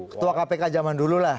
ketua kpk zaman dulu lah